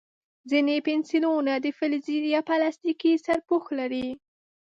ځینې پنسلونه د فلزي یا پلاستیکي سرپوښ لري.